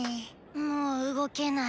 もう動けない。